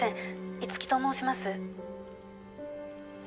☎五木と申します